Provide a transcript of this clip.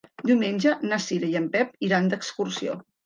Diumenge na Cira i en Pep iran d'excursió.